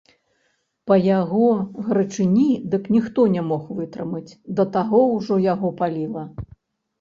Па яго гарачыні дык ніхто не мог вытрымаць, да таго ўжо яго паліла.